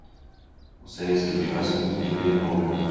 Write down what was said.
У савецкі час узніклі новыя.